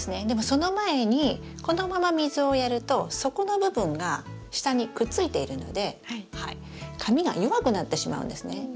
でもその前にこのまま水をやると底の部分が下にくっついているので紙が弱くなってしまうんですね。